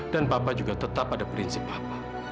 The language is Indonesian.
dan papa juga tetap ada prinsip papa